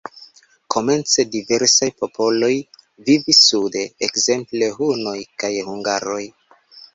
Komence diversaj popoloj vivis sude, ekzemple hunoj kaj hungaroj.